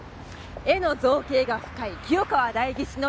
絵の造詣が深い清川代議士の意外な一面！